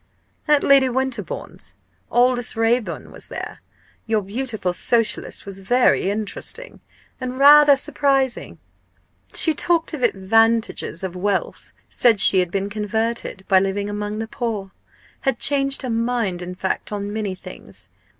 "At Lady Winterbourne's. Aldous Raeburn was there. Your beautiful Socialist was very interesting and rather surprising. She talked of the advantages of wealth; said she had been converted by living among the poor had changed her mind, in fact, on many things.